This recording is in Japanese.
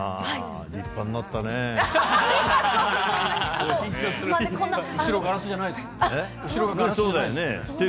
立派になったねぇ。